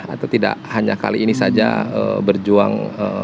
atau tidak hanya kali ini saja berjuang